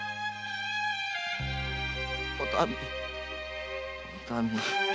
おたみおたみ。